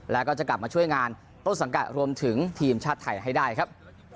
แล้วก็จะกลับมาช่วยงานต้นสังกัดรวมถึงทีมชาติไทยให้ได้ครับ